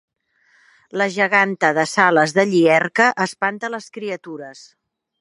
La geganta de Sales de Llierca espanta les criatures